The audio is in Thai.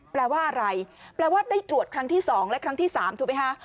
แปลว่าอะไรแปลว่าได้ตรวจครั้งที่๒และครั้งที่๓ถูกไหมคะ